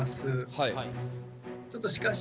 はい。